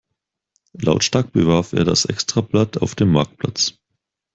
Lautstark bewarb er das Extrablatt auf dem Marktplatz.